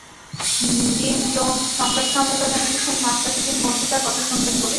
Dean Jones সংবাদ সম্মেলনে এসেছেন মাশরাফি বিন মুর্তজার কথা শুনবেন বলে।